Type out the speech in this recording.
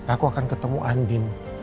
aku akan ketemu andi